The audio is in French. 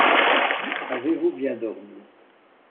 Avez-vous bien dormi?